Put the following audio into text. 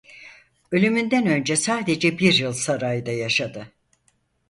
Ölümünden önce sadece bir yıl sarayda yaşadı.